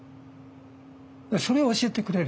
それを教えてくれる。